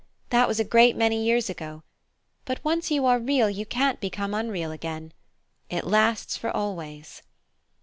"That was a great many years ago; but once you are Real you can't become unreal again. It lasts for always."